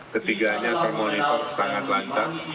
ketiganya termonitor sangat lancar